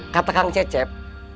kata kang cecep